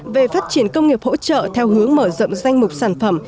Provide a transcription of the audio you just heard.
về phát triển công nghiệp hỗ trợ theo hướng mở rộng danh mục sản phẩm